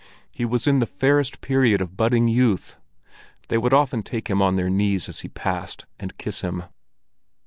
He was in the fairest period of budding youth; they would often take him on their knees as he passed, and kiss him.